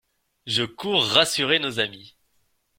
Je cours rassurer nos amis.